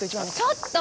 ちょっと！